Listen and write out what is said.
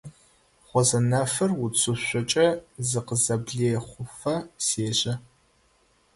Гъозэнэфыр уцышъокӏэ зыкъызэблехъуфэ сежэ.